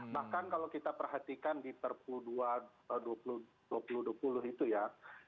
bahkan kalau kita perhatikan di perpu dua ribu dua puluh itu ya